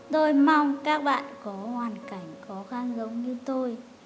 tôi mong các bạn có hoàn cảnh khó khăn giống như tôi